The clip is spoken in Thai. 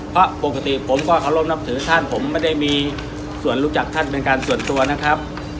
เพราะปกติผมก็เคารพนับถือท่านผมไม่ได้มีส่วนรู้จักท่านเป็นการส่วนตัวนะครับ